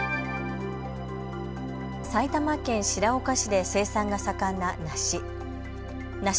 埼玉県白岡市で生産が盛んな梨。